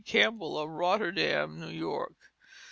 Campbell of Rotterdam, New York.